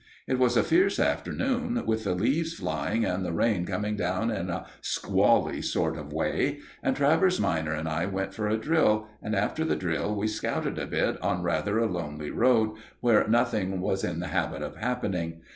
It was a fierce afternoon, with the leaves flying and the rain coming down in a squally sort of way, and Travers minor and I went for a drill, and after the drill we scouted a bit on rather a lonely road where nothing was in the habit of happening.